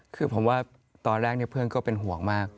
คือผมว่าตอนแรกเพื่อนก็เป็นห่วงมาก